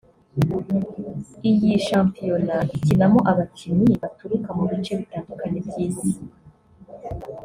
Iyi shampiyona ikinamo abakinnyi baturuka mu bice bitandukanye by’isi